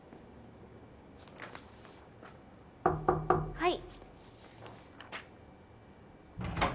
はい。